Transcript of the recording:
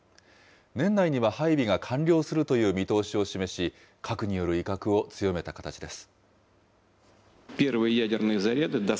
年内には配備が完了するという見通しを示し、核による威嚇を強めた形です。